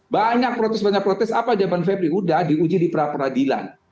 banyak protes protes apa jawaban ferry udah di uji di peradilan